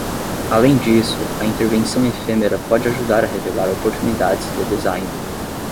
Além disso, a intervenção efêmera pode ajudar a revelar oportunidades de design.